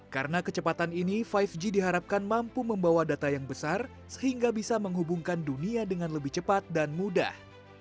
karena kecepatan ini lima g diharapkan mampu membawa data yang besar sehingga bisa menghubungkan dunia dengan lebih cepat dan mudah